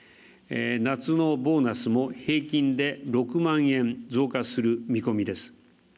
夏のボーナスも、平均で６万円増加する見込みです。